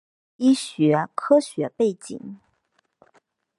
生物医学科学背景